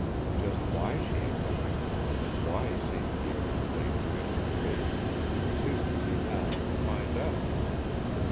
Just why she had done it, and why St. Pierre had played his masquerade, it was his duty now to find out.